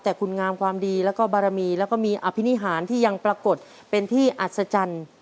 แต่คุณงามความดีแล้วก็บารมีแล้วก็มีอภินิหารที่ยังปรากฏเป็นที่อัศจรรย์